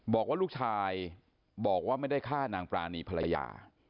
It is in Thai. บอกว่าลูกชายบอกว่าไม่ได้ฆ่านางปรานีภรรยา